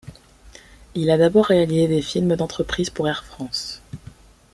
Il a d'abord réalisé des films d'entreprises pour Air France.